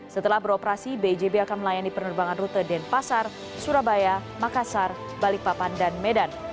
setelah beroperasi bijb akan melayani penerbangan rute denpasar surabaya makassar balikpapan dan medan